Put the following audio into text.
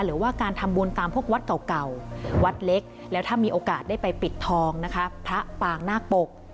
หรือว่าการทำบุญตามพวกวัดเก่าวัดเล็กแล้วถ้ามีโอกาสได้ไปปิดทองนะคะพระปางนาคปก